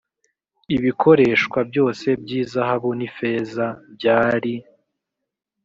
ibikoreshwa byose by izahabu n ifeza byari